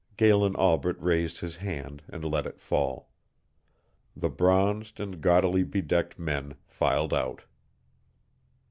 Galen Albret raised his hand and let it fall. The bronzed and gaudily bedecked men filed out.